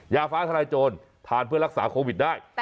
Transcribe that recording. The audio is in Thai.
ยาฟ้าทลายโจรทานเพื่อรักษาโควิดได้